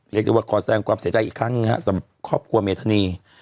เรียกได้ว่าคอแสดงความเสียใจอีกครั้งครับครอบครัวเมธานี